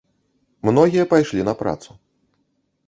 Многія пайшлі на працу.